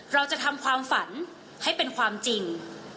เราจะทำความฝันให้เป็นความจริง